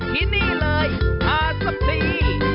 ที่นี่เลยหาสักที